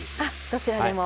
どちらでも。